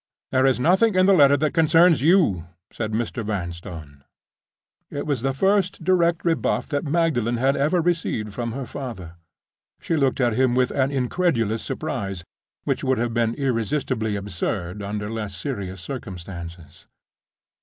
"There is nothing in the letter that concerns you," said Mr. Vanstone. It was the first direct rebuff that Magdalen had ever received from her father. She looked at him with an incredulous surprise, which would have been irresistibly absurd under less serious circumstances.